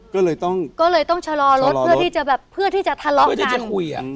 ก็เลยต้องก็เลยต้องชะลอรถเพื่อที่จะแบบเพื่อที่จะทะเลาะเพื่อที่จะคุยอ่ะ